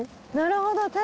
なるほど。